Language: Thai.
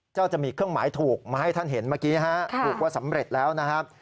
จะมีเครื่องหมายถูกมาให้ท่านเห็นเมื่อกี้ถูกว่าสำเร็จแล้วนะครับ